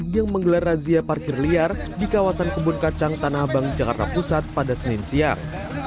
yang menggelar razia parkir liar di kawasan kebun kacang tanah abang jakarta pusat pada senin siang